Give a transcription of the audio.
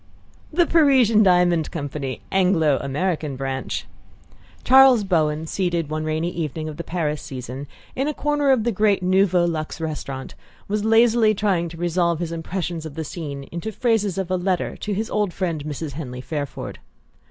XIX "The Parisian Diamond Company Anglo American branch." Charles Bowen, seated, one rainy evening of the Paris season, in a corner of the great Nouveau Luxe restaurant, was lazily trying to resolve his impressions of the scene into the phrases of a letter to his old friend Mrs. Henley Fairford.